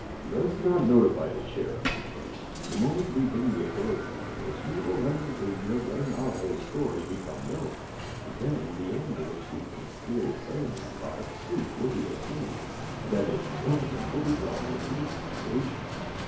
"Let's not notify the sheriff," he said. "The minute we bring the authorities into this, we run the danger of letting our whole story become known. Then the end which these mysterious enemies of ours seek will be attained. That is, the government will be drawn into the situation.